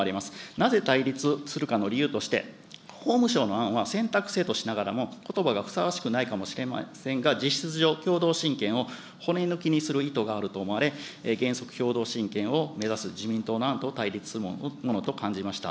なぜ対立するかの理由として、法務省の案は、選択制としながらも、ことばがふさわしくないかもしれませんが、実質上、共同親権を骨抜きにする意図があると思われ、原則、共同親権を目指す自民党の案と対立するものと感じました。